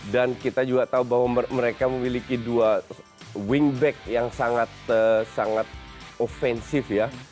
dan kita juga tahu bahwa mereka memiliki dua wingback yang sangat offensive ya